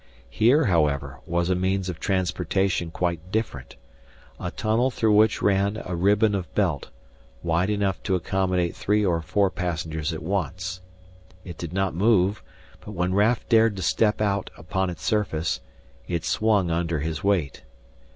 Here, however, was a means of transportation quite different, a tunnel through which ran a ribbon of belt, wide enough to accommodate three or four passengers at once. It did not move, but when Raf dared to step out upon its surface, it swung under his weight.